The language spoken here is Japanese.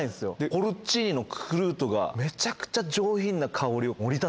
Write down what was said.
ポルチーニのクルートがめちゃくちゃ上品な香りを。